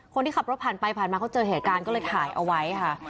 คนที่ขับรถผ่านไปผ่านมาเขาเจอเหตุการณ์ก็เลยถ่ายเอาไว้ค่ะ